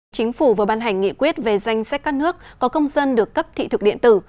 chính phủ vừa ban hành nghị quyết về danh sách các nước có công dân được cấp thị thực điện tử